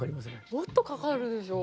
もっとかかるでしょ。